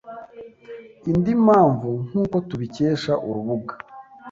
Indi mpamvu nkuko tubikesha urubuga